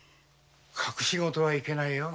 隠しごとはいけないよ。